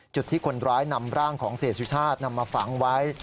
จุดที่คนร้ายนำร่างของเสียสุชาตินำมาฝังไว้